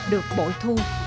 được bội thu